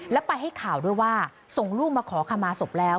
แล้วไปให้ข่าวด้วยว่าส่งลูกมาขอขมาศพแล้ว